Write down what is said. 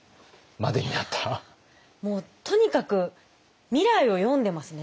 もうとにかく未来を読んでますね